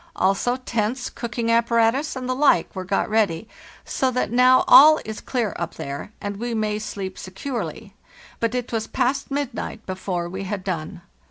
Also tents, cooking apparatus, and the like, were got ready, so that now all is clear up there, and we may sleep securely; but it was past midnight be fore we had done.